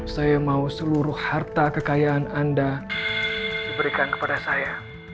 saya mau seluruh harta kekayaan anda diberikan kepada saya